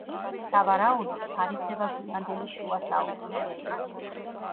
სავარაუდოდ, თარიღდება გვიანდელი შუა საუკუნეებით.